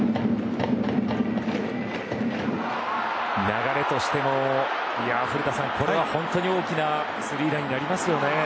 流れとしても古田さん、これは本当に大きなスリーランになりますよね。